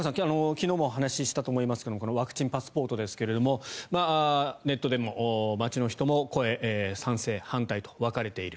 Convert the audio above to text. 昨日も話したと思いますがこのワクチンパスポートですがネットでも街の人も声が賛成、反対と分かれている。